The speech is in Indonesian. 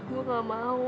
gue gak mau